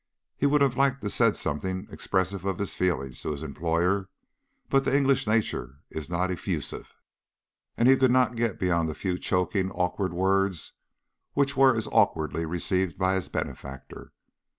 He would have liked to have said something expressive of his feelings to his employer, but the English nature is not effusive, and he could not get beyond a few choking awkward words which were as awkwardly received by his benefactor.